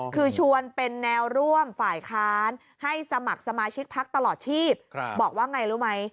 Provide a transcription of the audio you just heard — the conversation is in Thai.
คือชวนเป็นแนวร่วมฝ่ายค้านให้สมัครสมาชิกพักตลอดชีพบอกว่าไงรู้ไหม